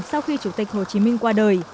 sau khi chủ tịch hồ chí minh qua đời